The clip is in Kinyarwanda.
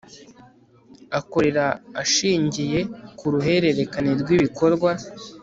akorera ashingiye ku ruhererekane rw ibikorwa